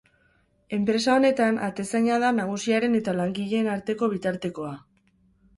Enpresa honetan atezaina da nagusiaren eta langileen arteko bitartekoa.